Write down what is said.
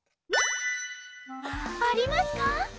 ありますか？